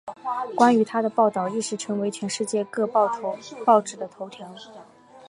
关于她的报道一时成为全世界各报纸的头条。